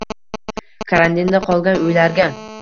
karantinda qolgan uylarga